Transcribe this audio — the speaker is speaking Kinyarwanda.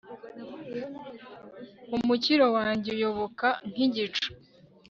umukiro wanjye uyoyoka nk'igicu